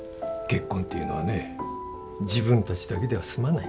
結婚っていうのはね自分たちだけでは済まないから。